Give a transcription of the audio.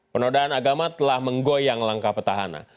penodaan agama telah menggoyang langkah petahana